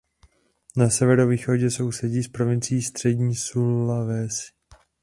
Na severovýchodě sousedí s provincií Střední Sulawesi.